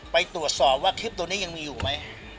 ไปตรวจสอบว่าคลิปตัวนี้ยังมีอยู่ไหม